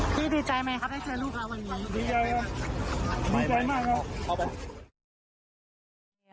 พี่ดีใจไหมครับได้เจอลูกค่ะวันนี้ดีใจดีใจขอบคุณครับ